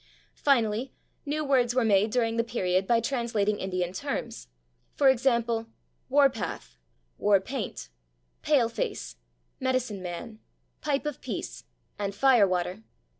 Finally, new words were made during the period by translating Indian terms, for example, /war path/, /war paint/, /pale face/, /medicine man/, /pipe of peace/ and /fire water